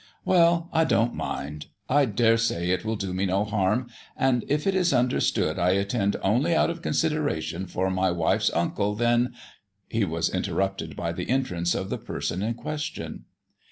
"Well, I don't mind; I daresay it will do me no harm; and if it is understood I attend only out of consideration for my wife's uncle, then " He was interrupted by the entrance of the person in question.